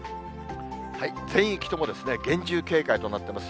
全域とも厳重警戒となっています。